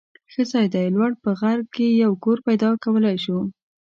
ښه ځای دی. لوړ په غر کې یو کور پیدا کولای شو.